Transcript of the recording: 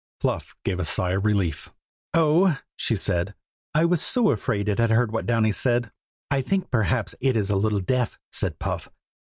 Fluff gave a sigh of relief. "Oh," she said, "I was so afraid it had heard what Downy said." "I think, perhaps, it is a little deaf," said Puff.